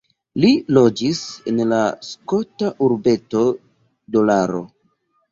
Li loĝis en la skota urbeto Dolaro.